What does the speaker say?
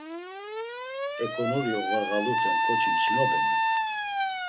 Eǩonari oğarğaluten ǩoçi içinobeni?